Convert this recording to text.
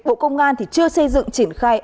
bộ công an thì chưa xây dựng triển khai